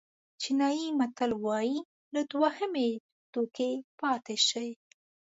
چینایي متل وایي له دوهمې دوکې پاتې شئ.